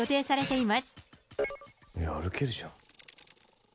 いや、歩けるじゃん。